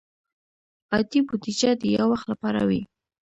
عادي بودیجه د یو وخت لپاره وي.